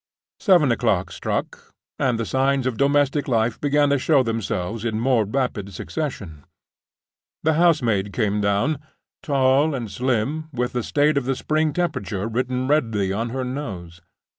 Seven o'clock struck; and the signs of domestic life began to show themselves in more rapid succession. The housemaid came down—tall and slim, with the state of the spring temperature written redly on her nose.